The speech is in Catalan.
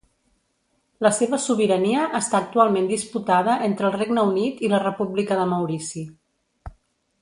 La seva sobirania està actualment disputada entre el Regne Unit i la República de Maurici.